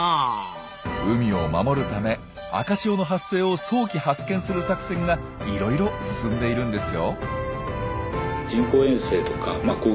海を守るため赤潮の発生を早期発見する作戦がいろいろ進んでいるんですよ。